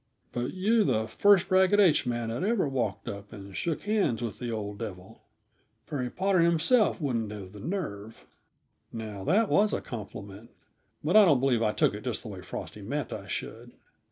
"But you're the first Ragged H man that has ever walked up and shook hands with the old devil. Perry Potter himself wouldn't have the nerve." Now, that was a compliment, but I don't believe I took it just the way Frosty meant I should.